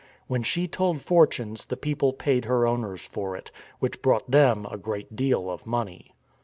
When she told fortunes the people paid her owners for it, which brought them a great deal of money.